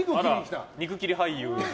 肉切り俳優。